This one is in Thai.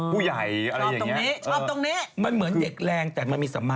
ผู้ใหญ่อะไรอย่างเงี้ย